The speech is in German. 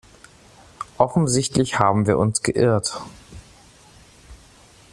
Offensichtlich haben wir uns geirrt.